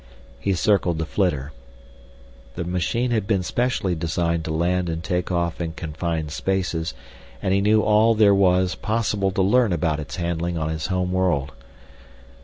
He circled the flitter. The machine had been specially designed to land and take off in confined spaces, and he knew all there was possible to learn about its handling on his home world.